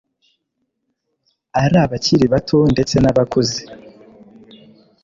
ali abakili bato ndetse n,abakuze